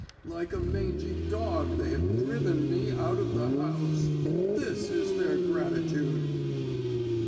…) 'Like a mangy dog they have driven me out of the house! This is their gratitude!